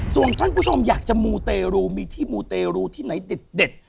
ส่วนท่านผู้ชมอยากจะมูเตรูมีที่มูเตรูที่ไหนเด็ด